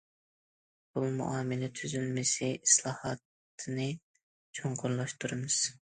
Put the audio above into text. پۇل مۇئامىلە تۈزۈلمىسى ئىسلاھاتىنى چوڭقۇرلاشتۇرىمىز.